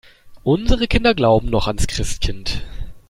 Unsere Kinder glauben noch ans Christkind.